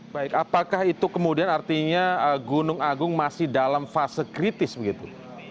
baik apakah itu kemudian artinya gunung agung masih dalam fase kritis begitu